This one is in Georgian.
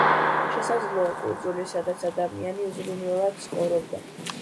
შესაძლოა, კუნძული, სადაც ადამიანი უზრუნველად ცხოვრობდა.